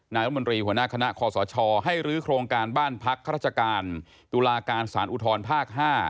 รัฐมนตรีหัวหน้าคณะคอสชให้รื้อโครงการบ้านพักข้าราชการตุลาการสารอุทธรภาค๕